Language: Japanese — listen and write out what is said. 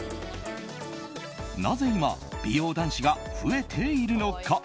なぜ今美容男子が増えているのか。